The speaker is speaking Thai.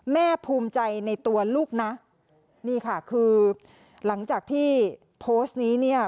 ภูมิใจในตัวลูกนะนี่ค่ะคือหลังจากที่โพสต์นี้เนี่ย